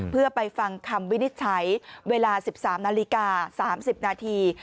เพื่อไปฟังคำวินิจฉัยเวลา๑๓นาฬิกา๓๐นาที